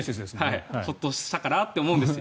ホッとしたかなと思うんです。